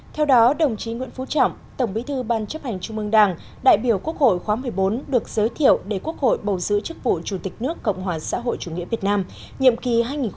theo đó đồng chí nguyễn phú trọng tổng bí thư ban chấp hành trung mương đảng đại biểu quốc hội khóa một mươi bốn được giới thiệu để quốc hội bầu giữ chức vụ chủ tịch nước cộng hòa xã hội chủ nghĩa việt nam nhiệm kỳ hai nghìn một mươi sáu hai nghìn hai mươi một